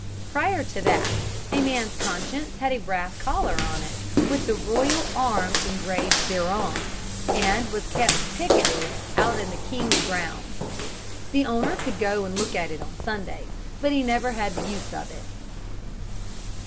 Prior to that a man's conscience had a brass collar on it with the royal arms engraved thereon, and was kept picketed out in the king's grounds. The owner could go and look at it on Sundays, but he never had the use of it.